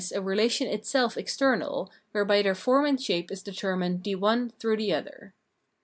a relation itself external, whereby their form and shape is determined the one through the other.